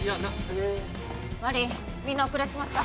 悪いみんな遅れちまった。